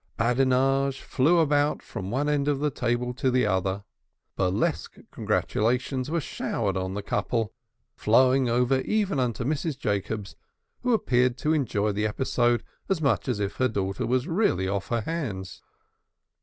Badinage flew about from one end of the table to the other: burlesque congratulations were showered on the couple, flowing over even unto Mrs. Jacobs, who appeared to enjoy the episode as much as if her daughter were really off her hands.